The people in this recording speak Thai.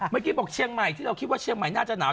เมื่อกี้บอกเชียงใหม่ที่เราคิดว่าเชียงใหม่น่าจะหนาว